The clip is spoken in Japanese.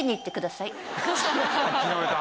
諦めた！